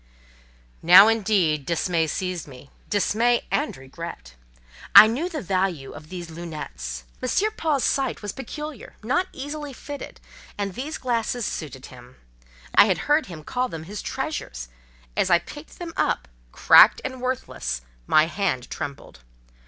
Now, indeed, dismay seized me—dismay and regret. I knew the value of these "lunettes": M. Paul's sight was peculiar, not easily fitted, and these glasses suited him. I had heard him call them his treasures: as I picked them up, cracked and worthless, my hand trembled.